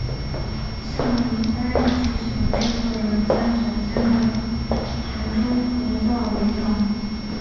项目由担任执行制作人兼总监的田中弘道领导。